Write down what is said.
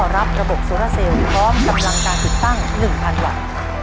รับระบบโซราเซลพร้อมกำลังการติดตั้ง๑๐๐๐บาท